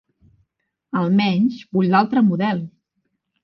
Almenys vull l'altre model.